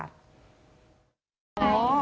อ๋อนี่ยายได้คืนแล้ว